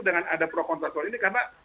dengan ada prokontrak soal ini karena